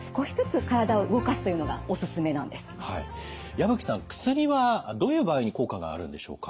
矢吹さん薬はどういう場合に効果があるんでしょうか？